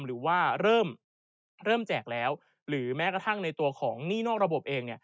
หรือว่าเริ่มแจกแล้วหรือแม้กระทั่งในตัวของหนี้นอกระบบเอง